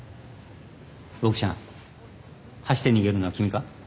ボクちゃん走って逃げるのは君か？